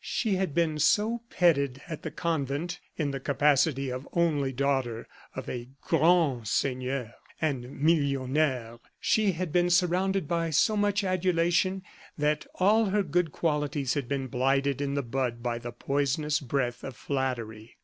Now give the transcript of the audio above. She had been so petted at the convent, in the capacity of only daughter of a grand seigneur and millionnaire; she had been surrounded by so much adulation, that all her good qualities had been blighted in the bud by the poisonous breath of flattery.